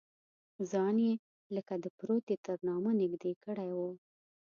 ځان یې لکه د پروتې تر نامه نږدې کړی و.